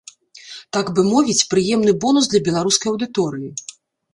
Так бы мовіць, прыемны бонус для беларускай аўдыторыі.